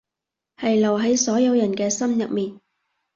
係留喺所有人嘅心入面